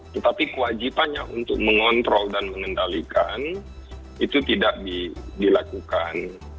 tetapi kewajibannya untuk mengontrol dan mengendalikan itu tidak dilakukan